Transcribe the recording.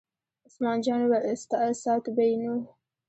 عثمان جان وویل: ساتو به یې نو.